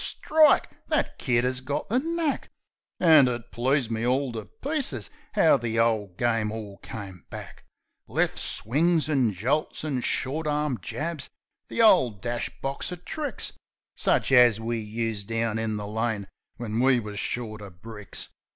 Strike! That kid 'as got the knack ! An' it pleased me all to pieces 'ow the ole game all came back: Left swings an' jolts an' short arm jabs the 'ole dash box uv tricks, Sich as we used down in the Lane when we wus short uv bricks.